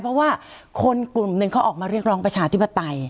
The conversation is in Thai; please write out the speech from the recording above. เพราะว่าคนกลุ่มหนึ่งเขาออกมาเรียกร้องประชาธิปไตย